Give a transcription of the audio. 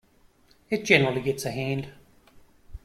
It generally gets a hand.